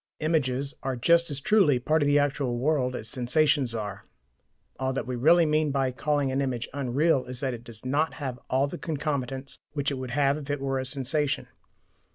Images are just as truly part of the actual world as sensations are. All that we really mean by calling an image "unreal" is that it does not have the concomitants which it would have if it were a sensation.